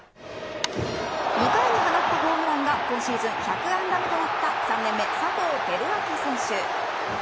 ２回に放ったホームランが今シーズン１００安打目となった３年目、佐藤輝明選手。